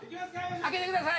開けてください。